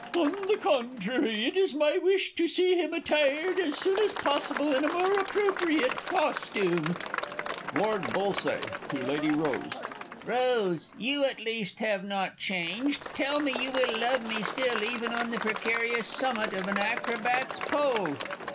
On the contrary, it is my wish to see him attired as soon as possible, in a more appropriate costume. Lord B. (to Lady R.). Rose, you, at least, have not changed? Tell me you will love me still even on the precarious summit of an acrobat's pole!